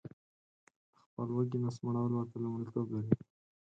د خپل وږي نس مړول ورته لمړیتوب لري